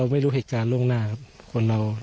ไม่รู้เหตุการณ์ล่วงหน้าครับคนเรา